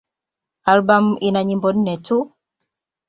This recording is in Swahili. Albamu ina nyimbo nne tu.